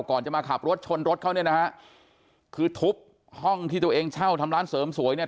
ก่อนจะมาขับรถชนรถเขาเนี่ยนะฮะคือทุบห้องที่ตัวเองเช่าทำร้านเสริมสวยเนี่ย